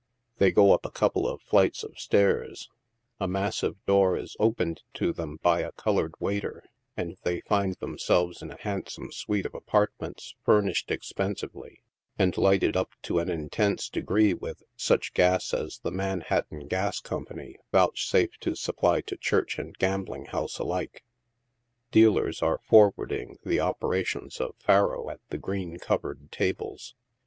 They go up a couple of flights of stairs ; a massive door is opened to them by a colored waiter, and they find themselves in a handsome suite of apartments, furnished expensively, and lighted up to an intense degree with such gas as the Manhattan Gas Company vouchsafe to supply to church and gambling house alike. Dealers are forwarding the ope rations of "*Faro" at the green covered tables.